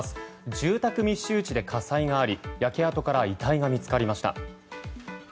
住宅密集地で火災があり焼け跡から遺体が見つかりました。